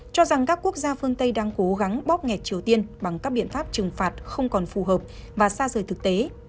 cho rằng các quốc gia phương tây đang cố gắng bóp nghẹt triều tiên bằng các biện pháp trừng phạt không còn phù hợp và xa rời thực tế